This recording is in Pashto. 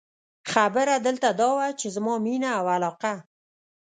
خبره دلته دا وه، چې زما مینه او علاقه.